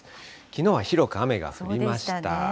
きのうは広く雨が降りました。